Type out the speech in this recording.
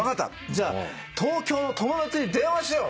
じゃあ東京の友達に電話しよう。